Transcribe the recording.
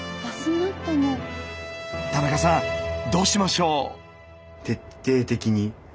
田中さんどうしましょう？